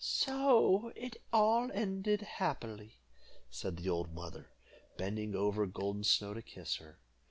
"So it all ended happily," said the old mother, bending over Golden Snow to kiss her.